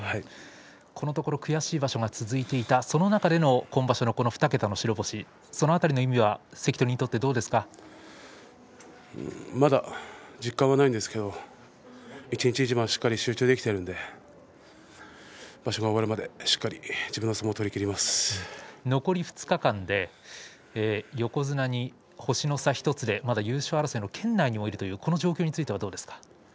このところ悔しい場所が続いていたその中での今場所のこの２桁の白星その辺りの意味は関取にとってまだ実感はないんですけど一日一番しっかり集中できているので場所が終わるまでしっかり自分の残り２日間で横綱に星の差１つでまだ優勝争いの圏内にいるという状況についてはどうですか。